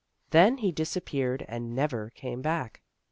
Then he disappeared and never came back.